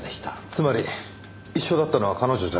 つまり一緒だったのは彼女じゃなかった。